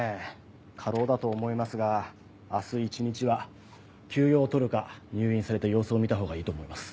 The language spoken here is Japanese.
過労だと思いますが明日一日は休養を取るか入院されて様子を見たほうがいいと思います。